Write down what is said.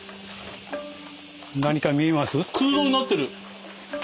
何か見えます？